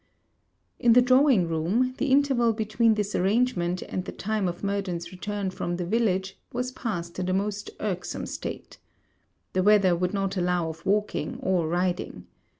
In the drawing room, the interval between this arrangement and the time of Murden's return from the village was passed in a most irksome state. The weather would not allow of walking, or riding.